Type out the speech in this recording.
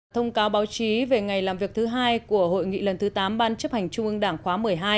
thông cáo báo chí về ngày làm việc thứ hai của hội nghị lần thứ tám ban chấp hành trung ương đảng khóa một mươi hai